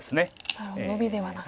なるほどノビではなく。